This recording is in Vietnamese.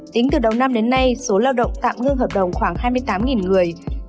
tính từ đầu năm đến nay số lao động tạm ngưng hợp đồng khoảng hai mươi tám người